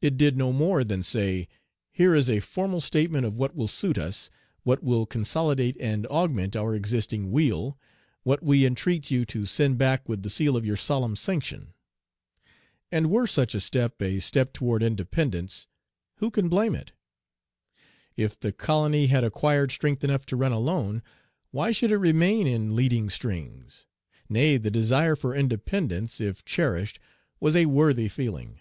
It did no more than say, "Here is a formal statement of what will suit us, what will consolidate and augment our existing weal, what we entreat you to send back with the seal of your solemn sanction." And were such a step a step toward independence, who can blame it? If the colony had acquired strength enough to run alone, why should it remain in leading strings? Nay, the desire for independence, if cherished, was a worthy feeling.